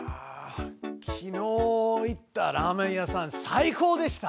昨日行ったラーメン屋さん最高でした！